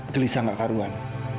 kelisah gak karuan